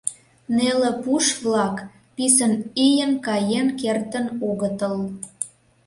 Неле пуш-влак писын ийын каен кертын огытыл.